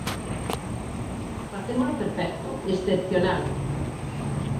Facémolo perfecto, ¡excepcional!